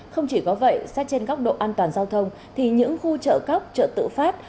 không chỉ có vậy xét trên góc độ an toàn giao thông thì những khu chợ cóc chợ tự phát